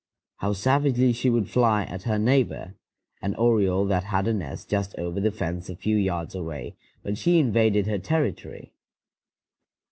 How savagely she would fly at her neighbor, an oriole that had a nest just over the fence a few yards away, when she invaded her territory!